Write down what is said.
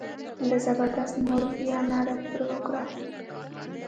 د زبردست مور بیا ناره پر وکړه.